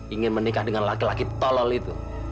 ingin menikah dengan laki laki tolol itu